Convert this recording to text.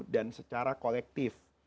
dan secara kolektif